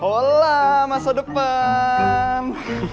hola masa depan